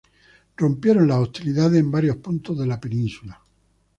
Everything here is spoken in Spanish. Rompieron las hostilidades en varios puntos de la península.